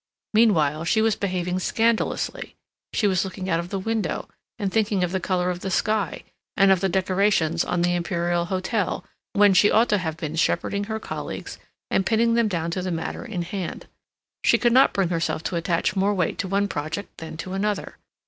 Meanwhile, she was behaving scandalously; she was looking out of the window, and thinking of the color of the sky, and of the decorations on the Imperial Hotel, when she ought to have been shepherding her colleagues, and pinning them down to the matter in hand. She could not bring herself to attach more weight to one project than to another.